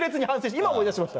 今思い出しました。